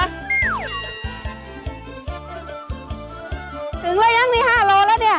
ถึงแล้วยังมี๕โลแล้วเนี่ย